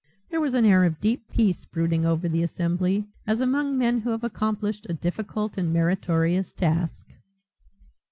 There was an air of deep peace brooding over the assembly, as among men who have accomplished a difficult and meritorious task.